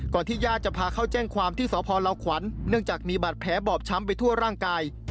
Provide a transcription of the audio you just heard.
ก่อนที่หญ้าจะพาเข้าแจ้งความที่สลางควรเนื่องจากมีบาดแผลบอบชั้มไปทั่วร่างกาย